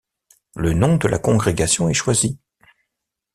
Le nom de la congrégation est choisi.